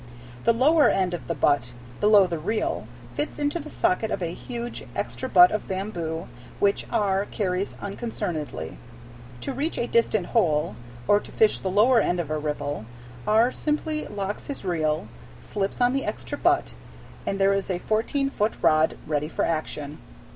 The lower end of the butt, below the reel, fits into the socket of a huge extra butt of bamboo, which R. carries unconcernedly. To reach a distant hole, or to fish the lower end of a ripple, R. simply locks his reel, slips on the extra butt, and there is a fourteen foot rod ready for action.